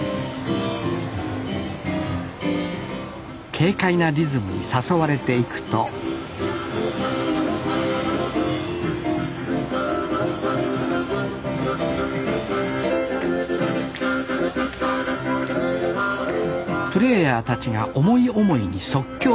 軽快なリズムに誘われていくとプレーヤーたちが思い思いに即興演奏。